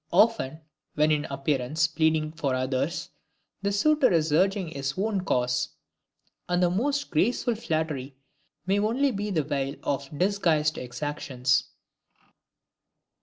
Often, when in appearance pleading for others, the suitor is urging his own cause; and the most graceful flattery may be only the veil of disguised exactions.